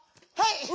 はい！